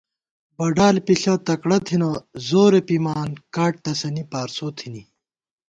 بڈال پِݪہ تکڑہ تھنہ زورے پِمان کاٹ تسَنی پارسو تھنی